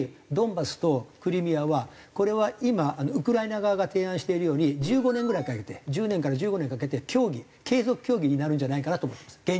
ドンバスとクリミアはこれは今ウクライナ側が提案しているように１５年ぐらいかけて１０年から１５年かけて継続協議になるんじゃないかなと思ってます